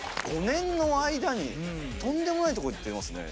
５年の間にとんでもないとこいってますね。